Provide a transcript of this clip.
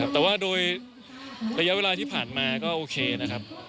แต่ว่าโดยระยะเวลาที่ผ่านมาก็โอเคนะครับ